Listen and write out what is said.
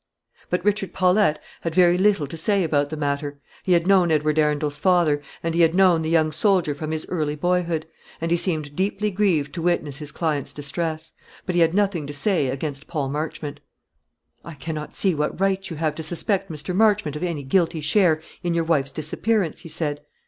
But Richard Paulette had very little to say about the matter. He had known Edward Arundel's father, and he had known the young soldier from his early boyhood, and he seemed deeply grieved to witness his client's distress; but he had nothing to say against Paul Marchmont. "I cannot see what right you have to suspect Mr. Marchmont of any guilty share in your wife's disappearance," he said.